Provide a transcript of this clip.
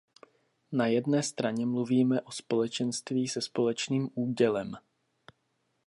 Na jedné straně mluvíme o společenství se společným údělem.